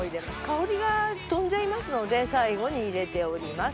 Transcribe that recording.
香りが飛んじゃいますので最後に入れております。